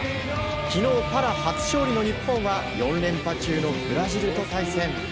昨日パラ初勝利の日本は４連覇中のブラジルと対戦。